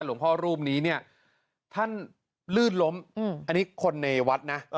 หลวงพ่อรูปนี้เนี่ยท่านลื่นล้มอันนี้คนในวัดนะ